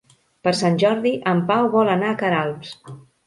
Per Sant Jordi en Pau vol anar a Queralbs.